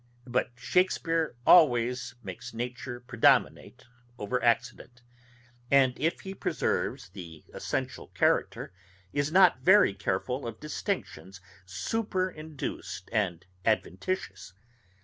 But Shakespeare always makes nature predominate over accident; and if he preserves the essential character, is not very careful of distinctions superinduced and adventitious.